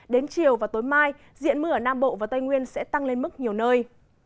đến chiều và tối mai diện mưa ở nam bộ và tây nguyên sẽ tăng lên mức nhiều nơi